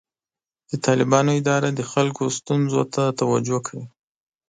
د طالبانو اداره د خلکو ستونزو ته توجه کوي.